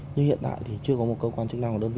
nhưng hiện tại thì chưa có một cơ quan chức năng và đơn vị